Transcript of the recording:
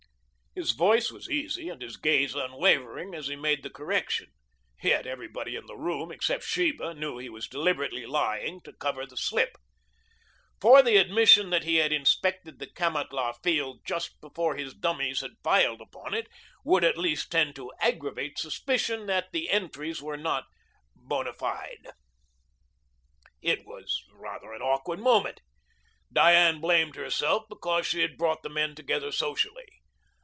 His voice was easy and his gaze unwavering as he made the correction, yet everybody in the room except Sheba knew he was deliberately lying to cover the slip. For the admission that he had inspected the Kamatlah field just before his dummies had filed upon it would at least tend to aggravate suspicion that the entries were not bona fide. It was rather an awkward moment. Diane blamed herself because she had brought the men together socially.